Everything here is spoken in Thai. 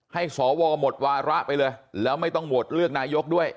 ให้สวหมดวาระไปเลยแล้วไม่ต้องโหวตเลือกนายกด้วย